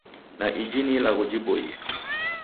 Na iji ni ilagho jiboie